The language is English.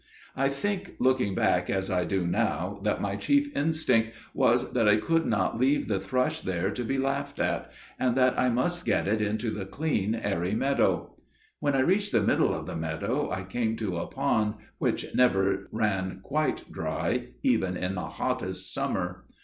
I think, looking back as I do now, that my chief instinct was that I could not leave the thrush there to be laughed at, and that I must get it out into the clean, airy meadow. When I reached the middle of the meadow I came to a pond which never ran quite dry even in the hottest summer.